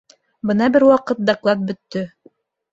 — Бына бер ваҡыт доклад бөттө.